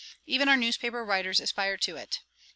Even our newspaper writers aspire to it.